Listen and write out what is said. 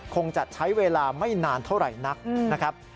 คงจะใช้เวลาไม่นานเท่าไหร่นักนะครับ